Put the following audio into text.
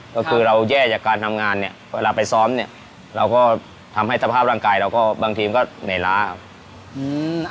ก็คือเราแย่จากการทำงานเนี่ยเวลาไปซ้อมเนี่ยเราก็ทำให้สภาพร่างกายเราก็บางทีมก็เหนื่อยล้าครับ